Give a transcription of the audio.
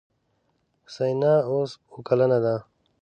حسينه اوس اوه کلنه ده.